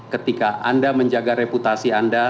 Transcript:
ketika anda menjaga reputasi